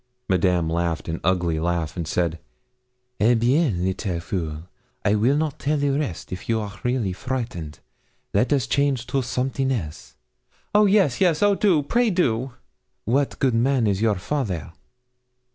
Madame laughed an ugly laugh, and said 'Eh bien! little fool! I will not tell the rest if you are really frightened; let us change to something else.' 'Yes, yes! oh, do pray do.' 'Wat good man is your father!'